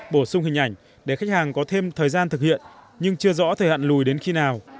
bổ sung hình ảnh để khách hàng có thêm thời gian thực hiện nhưng chưa rõ thời hạn lùi đến khi nào